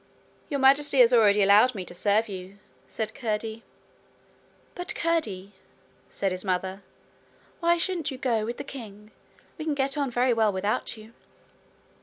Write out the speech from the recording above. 'Your Majesty has already allowed me to serve you,' said Curdie. 'But, Curdie,' said his mother, 'why shouldn't you go with the king? We can get on very well without you.'